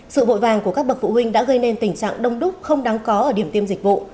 sự vội vàng của các bậc phụ huynh đã gây nên tình trạng đông đúc không đáng có ở điểm tiêm dịch vụ